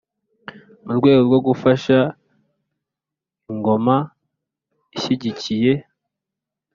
mu rwego rwo gufasha ingoma ishyigikiye